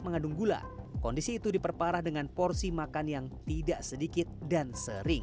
mengandung gula kondisi itu diperparah dengan porsi makan yang tidak sedikit dan sering